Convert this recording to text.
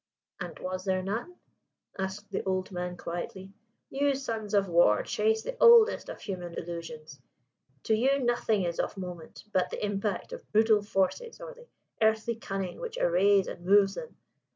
"And was there none?" asked the old man quietly. "You sons of war chase the oldest of human illusions: to you nothing is of moment but the impact of brutal forces or the earthly cunning which arrays and moves them.